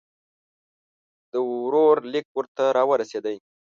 د ورور لیک ورته را ورسېدی.